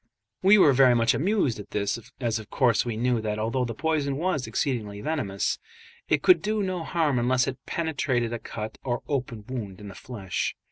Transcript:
We were very much amused at this, as of course we knew that although the poison was exceedingly venomous, it could do no harm unless it penetrated a cut or open wound in the flesh.